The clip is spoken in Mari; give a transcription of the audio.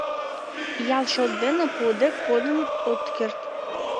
Ял шот дене пуыде кодын от керт.